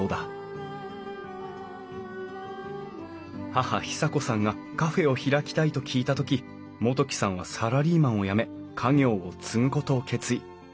義母啓紗子さんがカフェを開きたいと聞いた時元規さんはサラリーマンを辞め家業を継ぐことを決意。